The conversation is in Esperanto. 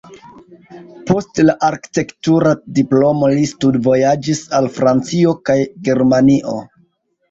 Post la arkitektura diplomo li studvojaĝis al Francio kaj Germanio.